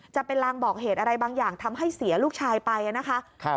จะเป็นลางบอกเหตุอะไรบางอย่างทำให้เสียลูกชายไปนะคะ